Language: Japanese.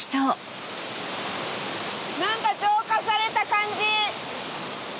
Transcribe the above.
何か浄化された感じ！